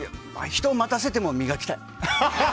人を待たせても磨きたい。